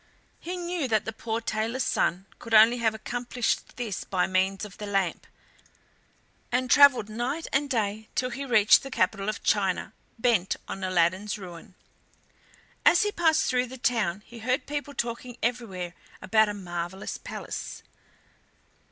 He knew that the poor tailor's son could only have accomplished this by means of the lamp, and travelled night and day till he reached the capital of China, bent on Aladdin's ruin. As he passed through the town he heard people talking everywhere about a marvelous palace.